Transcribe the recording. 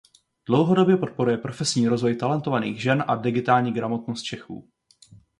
Dlouhodobě podporuje profesní rozvoj talentovaných žen a digitální gramotnost Čechů.